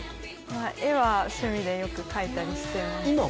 絵はよく趣味で描いたりしてます。